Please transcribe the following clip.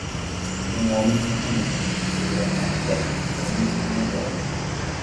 Um homem sem camisa, segurando uma raquete de tênis e uma bola.